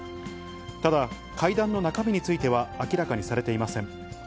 ただ、会談の中身については明らかにされていません。